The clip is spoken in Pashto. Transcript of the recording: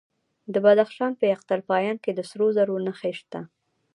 د بدخشان په یفتل پایان کې د سرو زرو نښې شته.